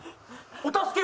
お助けを。